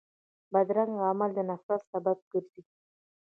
بدرنګه عمل د نفرت سبب ګرځي